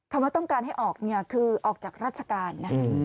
คำว่าต้องการให้ออกคือออกจากราชการ